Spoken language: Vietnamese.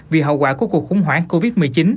vì hậu quả của cuộc khủng hoảng covid một mươi chín